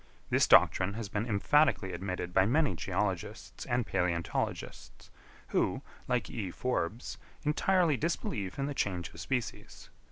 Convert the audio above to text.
This doctrine has been emphatically admitted by many geologists and palæontologists, who, like E. Forbes, entirely disbelieve in the change of species.